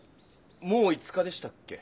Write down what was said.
もう５日でしたっけ？